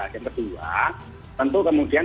yang kedua tentu kemudian